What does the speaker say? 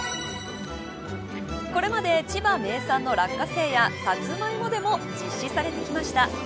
これまで、千葉名産の落花生やサツマイモでも実施されてきました。